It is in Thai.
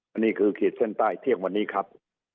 อันนี้คือขีดเส้นใต้เที่ยงวันนี้ครับ